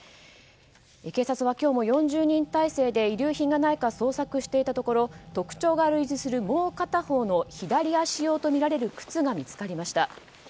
警察は今日も４０人態勢で遺留品がないか捜索していたところ特徴が類似するもう片方の左足用とみられる靴が見つかりました。